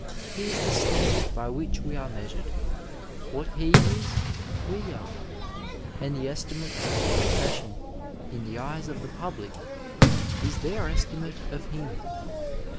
He is the standard by which we are mea sured. What he is, we are ; and the estimate of the pro fession in the eyes of the public is their estimate of him.